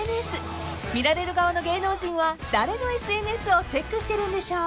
［見られる側の芸能人は誰のＳＮＳをチェックしてるんでしょう］